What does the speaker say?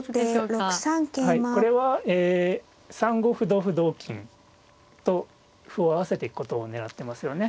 はいこれは３五歩同歩同金と歩を合わせていくことを狙ってますよね。